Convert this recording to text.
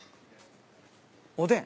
おでん。